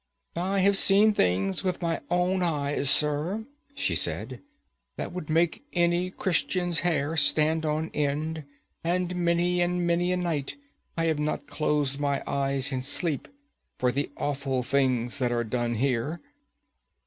"I have seen things with my own eyes, sir," she said, "that would make any Christian's hair stand on end, and many and many a night I have not closed my eyes in sleep for the awful things that are done here."